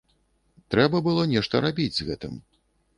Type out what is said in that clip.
Трэба было нешта рабіць з гэтым.